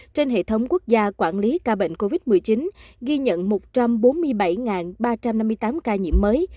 trên hệ thống quốc gia quản lý ca bệnh covid một mươi chín ghi nhận một trăm bốn mươi bảy ba trăm năm mươi tám ca nhiễm mới